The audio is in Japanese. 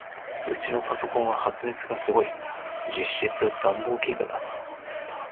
ウチのパソコンは発熱がすごい。実質暖房器具だ。